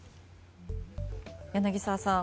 柳澤さん